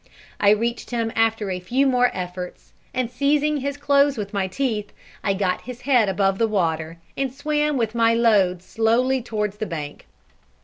I reached him after a few more efforts, and seizing his clothes with my teeth, I got his head above the water, and swam with my load slowly towards the bank.